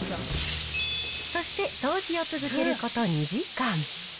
そして掃除を続けること２時間。